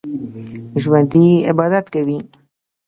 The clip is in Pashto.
ژوندي عبادت کوي